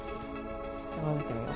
じゃあ混ぜてみよ。